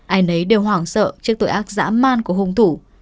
ai nấy đều hoảng sợ trước tội ác dã man của hung thủ